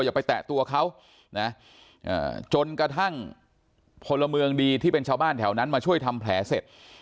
อย่าไปแตะตัวเขานะจนกระทั่งพลเมืองดีที่เป็นชาวบ้านแถวนั้นมาช่วยทำแผลเสร็จ